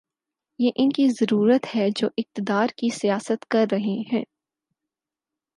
یہ ان کی ضرورت ہے جو اقتدار کی سیاست کر رہے ہیں۔